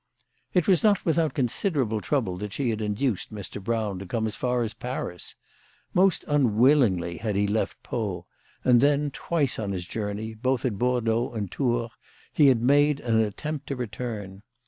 It was not without considerable trouble that she had induced Mr. Brown to come as far as Paris. Most unwillingly had he left Pau ; and then, twice on his journey, both at Bordeaux and Tours, he had made an attempt to return.